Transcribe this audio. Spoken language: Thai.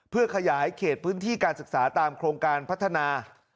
เพื่อขยายเขตพื้นที่การศึกษาตามโครงการพัฒนา